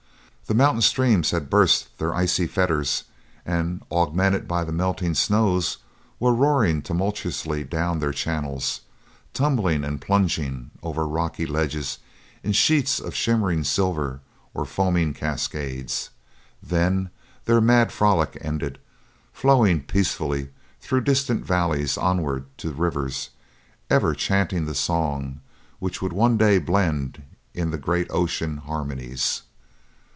The mountain streams had burst their icy fetters and, augmented by the melting snows, were roaring tumultuously down their channels, tumbling and plunging over rocky ledges in sheets of shimmering silver or foaming cascades; then, their mad frolic ended, flowing peacefully through distant valleys onward to the rivers, ever chanting the song which would one day blend in the great ocean harmonies.